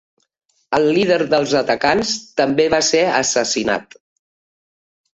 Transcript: El líder dels atacants també va ser assassinat.